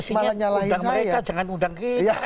maksudnya undang mereka jangan undang g